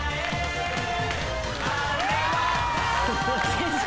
先生